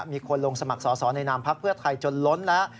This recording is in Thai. มีคนลงสมัครสอสอในนามพักเพื่อไทยจนล้นแล้ว